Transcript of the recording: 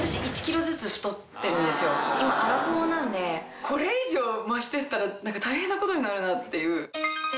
今アラフォーなんでこれ以上増してったら大変なことになるなっていう。